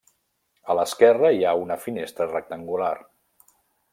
A l'esquerra hi ha una finestra rectangular.